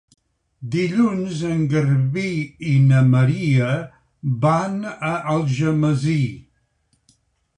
Dilluns en Garbí i na Maria van a Algemesí.